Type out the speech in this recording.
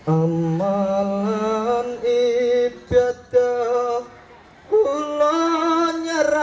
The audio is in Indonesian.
kami menibatkan gereja